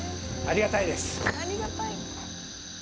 ありがたいです。